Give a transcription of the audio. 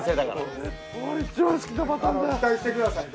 期待してください。